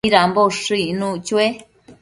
¿Midambo ushëc icnuc chue?